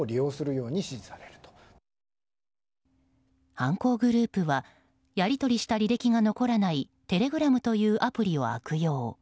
犯行グループはやり取りした履歴が残らないテレグラムというアプリを悪用。